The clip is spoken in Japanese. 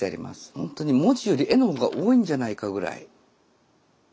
ほんとに文字より絵の方が多いんじゃないかぐらい。